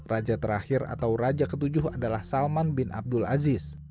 raja terakhir atau raja ketujuh adalah salman bin abdul aziz